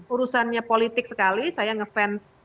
urusannya politik sekali saya ngefans